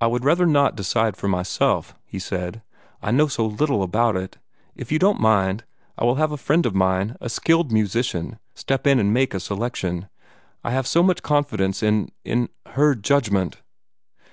"I would rather not decide for myself," he said, "I know so little about it. If you don't mind, I will have a friend of mine, a skilled musician, step in and make a selection. I have so much confidence in in her judgment."